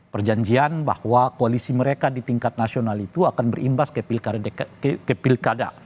perjanjian bahwa koalisi mereka di tingkat nasional itu akan berimbas ke pilkada